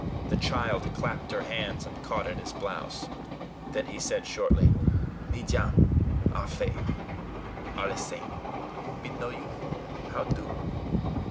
The child clapped her hands, and caught at his blouse. Then he said shortly: "Me John Ah Fe allee same. Me know you. How do?"